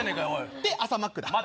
で、朝マックだ。